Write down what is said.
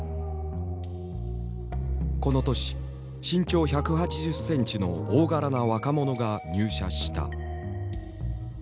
この年身長１８０センチの大柄な若者が入社した。